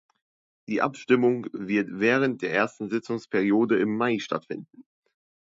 Die Abstimmung wird während der ersten Sitzungsperiode im Mai stattfinden.